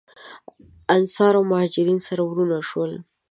انصار او مهاجرین سره وروڼه شول.